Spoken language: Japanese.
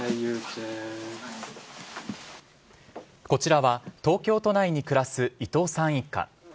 こちらは東京都内に暮らす伊藤さん一家。